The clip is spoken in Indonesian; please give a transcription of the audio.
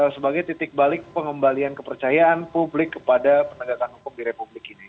sebagai titik balik pengembalian kepercayaan publik kepada penegakan hukum di republik ini